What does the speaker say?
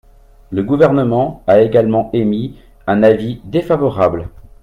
Le Gouvernement a également émis un avis défavorable.